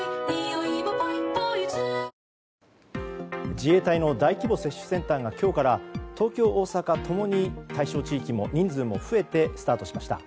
自衛隊の大規模接種センターが今日から東京、大阪共に対象地域も人数も増えてスタートしました。